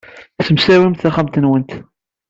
Ssemsawimt taxxamt-nwent.